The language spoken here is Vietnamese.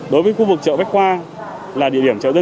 đối với khu vực chợ bách khoa